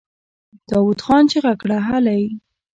داوود خان چيغه کړه! هلئ!